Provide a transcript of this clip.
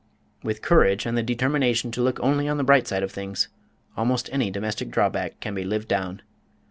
With courage and the determination to look only on the bright side of things, almost any domestic drawback can be lived down.